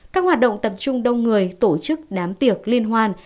các hoạt động tập trung đông người tổ chức đám tiệc liên hoan